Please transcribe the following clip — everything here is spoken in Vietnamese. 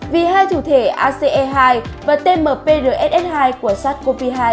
vì hai thụ thể ace hai và tmprss hai của sars cov hai